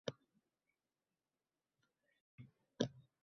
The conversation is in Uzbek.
G‘arbiy Qozog‘iston hududidan salqin havo kirib kelishi hisobiga harorat pasayadi